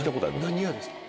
何屋ですか？